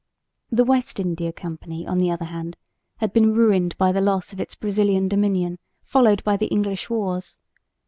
The West India Company, on the other hand, had been ruined by the loss of its Brazilian dominion followed by the English wars.